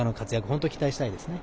本当に期待したいですね。